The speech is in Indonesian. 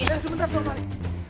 ya sebentar tuan wali